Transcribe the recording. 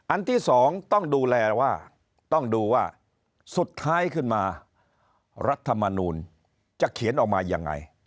ที่สองต้องดูแลว่าต้องดูว่าสุดท้ายขึ้นมารัฐมนูลจะเขียนออกมายังไง